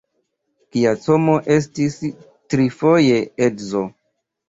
Giacomo estis trifoje edzo.